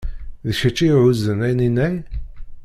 D kečč i ihuzzen aninay?